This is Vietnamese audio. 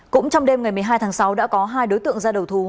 cũng trong đêm ngày một mươi hai tháng sáu đã có hai đối tượng ra đầu thú